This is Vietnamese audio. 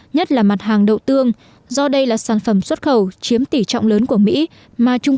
nhất là mặt hàng đậu tương do đây là sản phẩm xuất khẩu chiếm tỷ trọng lớn của mỹ mà trung